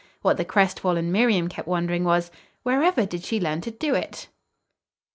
What the crestfallen Miriam kept wondering was: "Wherever did she learn to do it?"